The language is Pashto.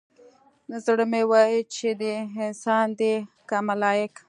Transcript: زړه مې ويل چې دى انسان دى که ملايک.